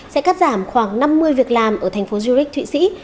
sẽ cắt giảm khoảng năm mươi việc làm ở thành phố zurich thụy sĩ